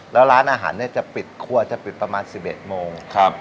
แล้วร้านอาหารเนี่ยจะปิดคั่วก็ปิดประมาณ๑๑โมงครับ